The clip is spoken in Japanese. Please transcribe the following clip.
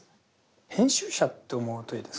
編集者って思うといいですかね。